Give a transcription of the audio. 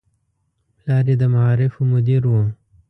پلار یې د معارفو مدیر و.